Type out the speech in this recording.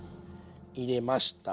入れました。